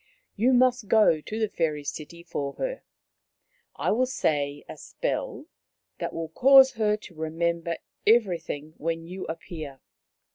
You must go to the fairy city for her. I will say a spell that will cause her to re member everything when you appear."